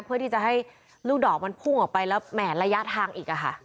เพื่อที่จะให้ลูกดอกมันพุ่งออกไปแล้วแหมระยะทางอีกอะค่ะ